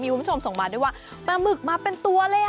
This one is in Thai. คุณผู้ชมส่งมาด้วยว่าปลาหมึกมาเป็นตัวเลย